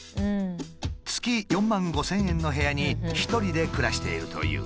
月４万５，０００円の部屋に１人で暮らしているという。